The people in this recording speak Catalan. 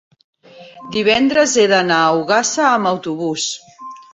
divendres he d'anar a Ogassa amb autobús.